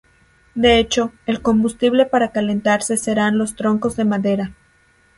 De hecho, el combustible para calentarse serán los troncos de madera.